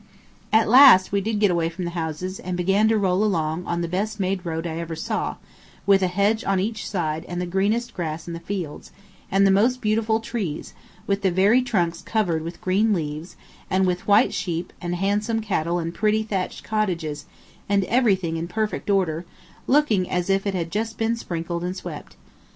At last we did get away from the houses and began to roll along on the best made road I ever saw, with a hedge on each side and the greenest grass in the fields, and the most beautiful trees, with the very trunks covered with green leaves, and with white sheep and handsome cattle and pretty thatched cottages, and everything in perfect order, looking as if it had just been sprinkled and swept.